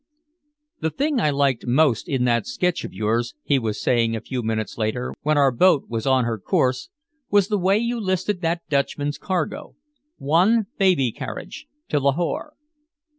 "The thing I liked most in that sketch of yours," he was saying a few minutes later, when our boat was on her course, "was the way you listed that Dutchman's cargo. 'One baby carriage to Lahore.'